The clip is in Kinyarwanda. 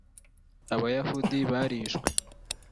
abayahudi barishwe.